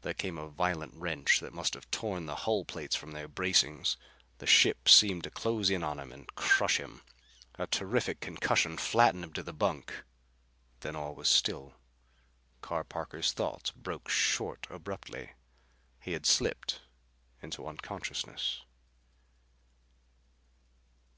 There came a violent wrench that must have torn the hull plates from their bracings. The ship seemed to close in on him and crush him. A terrific concussion flattened him to the bunk. Then all was still. Carr Parker's thoughts broke short abruptly. He had slipped into unconsciousness.